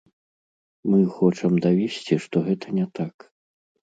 Мы хочам давесці, што гэта не так.